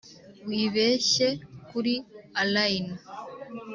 wibeshye, kuri allayne?